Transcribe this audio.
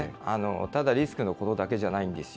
ただリスクのことだけじゃないんですよ。